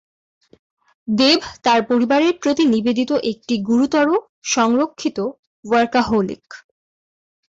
দেব তার পরিবারের প্রতি নিবেদিত একটি গুরুতর, সংরক্ষিত ওয়ার্কাহোলিক।